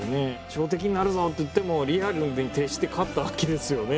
朝敵になるぞっていってもリアルに徹して勝ったわけですよね。